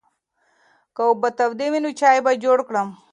که اوبه تودې وي نو چای به جوړ کړم.